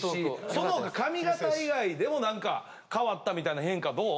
その他髪形以外でも何か変わったみたいな変化どう？